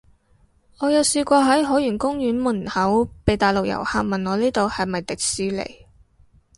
我有試過喺海洋公園門口，被大陸遊客問我呢度係咪迪士尼